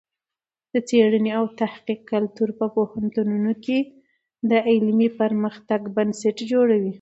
د څېړنې او تحقیق کلتور په پوهنتونونو کې د علمي پرمختګ بنسټ جوړوي.